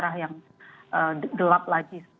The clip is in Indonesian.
biarah yang gelap lagi